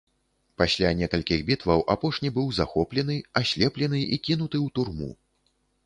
Пасля некалькіх бітваў апошні быў захоплены, аслеплены і кінуты ў турму.